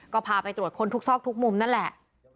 ก็พาไปตรวจค้นทุกซอกทุกมุมนั่นแหละ